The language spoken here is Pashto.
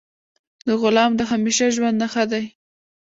د غلام د همیشه ژوند نه ښه دی.